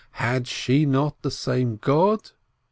Had she not the same God?